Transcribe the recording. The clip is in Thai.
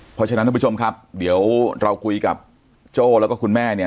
เพราะฉะนั้นท่านผู้ชมครับเดี๋ยวเราคุยกับโจ้แล้วก็คุณแม่เนี่ย